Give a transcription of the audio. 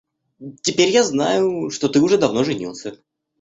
Теперь я знаю, что ты уже давно женился.